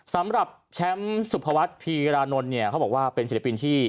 สำหรับแชมป์สุภวัฒน์พีรานนท์เนี่ยเขาบอกว่าเป็นศิลปินที่